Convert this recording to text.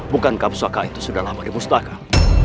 bukankah peswaka itu sudah lama dimustahkan